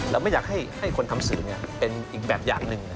ไม่อยากให้คนทำสื่อเป็นอีกแบบอย่างหนึ่ง